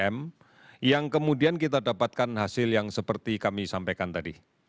memenunjukkan gambaran hasil positif yang cukup banyak